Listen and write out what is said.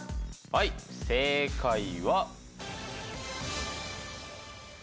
はい正解は。